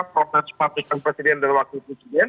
prof patrik dan presiden dan wakil presiden